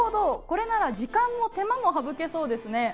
これなら時間も手間も省けそうですね。